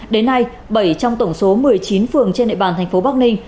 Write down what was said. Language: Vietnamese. đến nay bảy trong tổng số một mươi chín phường trên địa bàn thành phố bắc ninh